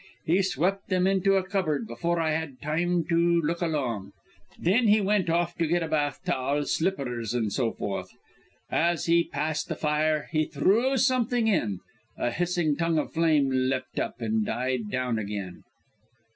He swept them into a cupboard before I had time to look long. Then he went off to get a bath towel, slippers, and so forth. As he passed the fire he threw something in. A hissing tongue of flame leapt up and died down again."